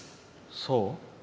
そう。